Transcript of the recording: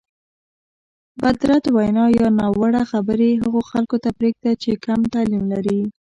بدرد وینا یا ناوړه خبرې هغو خلکو ته پرېږده چې کم تعلیم لري.